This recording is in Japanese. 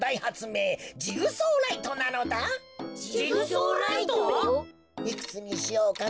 いくつにしようかな。